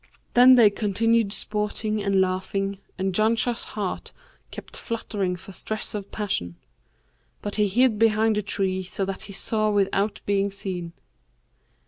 Then they continued sporting and laughing and Janshah's heart kept fluttering for stress of passion: but he hid behind the tree so that he saw without being seen.